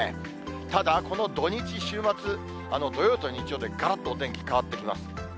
ただ、この土日、週末、土曜と日曜でがらっとお天気変わってきます。